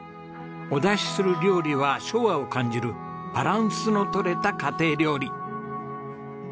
お出しする料理は昭和を感じるバランスの取れた家庭料理。